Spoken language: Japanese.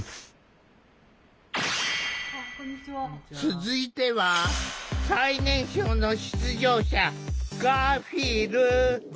続いては最年少の出場者ガーフィール。